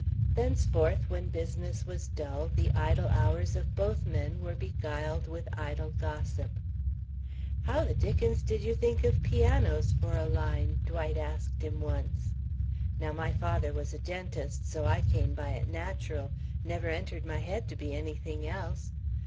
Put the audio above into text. Thenceforth, when business was dull, the idle hours of both men were beguiled with idle gossip. "How the dickens did you think of pianos for a line?" Dwight asked him once. "Now, my father was a dentist, so I came by it natural never entered my head to be anything else.